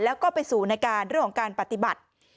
แล้วก็ไปสู่ในการเรื่องของการปฏิบัติ